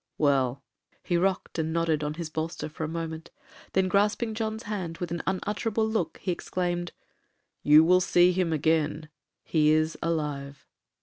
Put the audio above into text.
'Well,'—he rocked and nodded on his bolster for a moment, then, grasping John's hand with an unutterable look, he exclaimed, 'You will see him again, he is alive.'